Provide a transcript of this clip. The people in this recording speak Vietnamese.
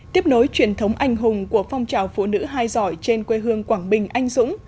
tiếp nối truyền thống anh hùng của phong trào phụ nữ hai giỏi trên quê hương quảng bình anh dũng